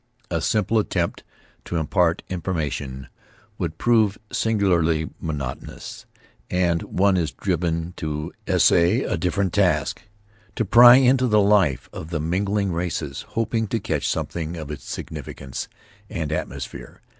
A simple attempt to impart information would prove singularly monotonous, and one is driven to essay a different task; to pry into the life of the mingling races, hoping to catch something of its significance and atmosphere.